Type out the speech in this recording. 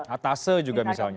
atasa juga misalnya